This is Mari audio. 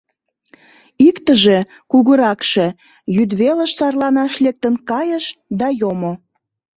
Иктыже, кугуракше, йӱдвелыш сарланаш лектын кайыш да йомо.